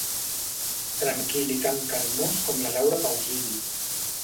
Tranquil i tan calmós com la Laura Pausini.